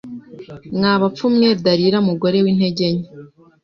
Mwa bapfu mwe Dalila mugore wintege nke